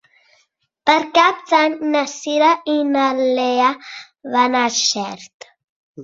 Per Cap d'Any na Cira i na Lea van a Xert.